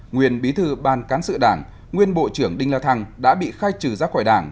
nguyên bí thư ban cán sự đảng nguyên bộ trưởng đinh la thăng đã bị khai trừ ra khỏi đảng